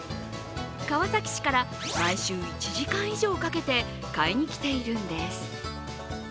川崎市から毎週１時間以上かけて買いに来ているんです。